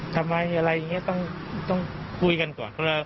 อะไรอย่างนี้ต้องคุยกันก่อน